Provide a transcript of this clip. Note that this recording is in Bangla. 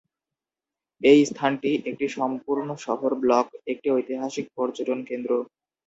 এই স্থানটি, একটি সম্পূর্ণ শহর ব্লক, একটি ঐতিহাসিক পর্যটক কেন্দ্র।